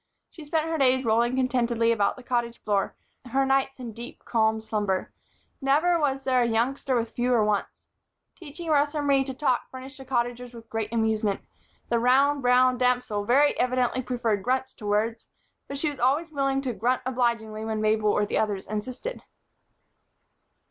She spent her days rolling contentedly about the Cottage floor, her nights in deep, calm slumber. Never was there a youngster with fewer wants. Teaching Rosa Marie to talk furnished the Cottagers with great amusement. The round brown damsel very evidently preferred grunts to words; but she was always willing to grunt obligingly when Mabel or the others insisted.